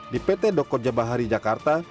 di pt dokodja bahari jakarta